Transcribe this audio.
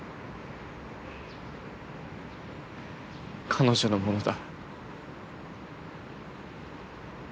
彼女のものだ。